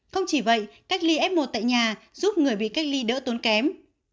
không chỉ vậy cách ly f một tại nhà giúp người bị cách ly đỡ tốn kém